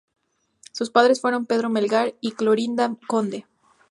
Sus padres fueron Pedro Melgar y Clorinda Conde.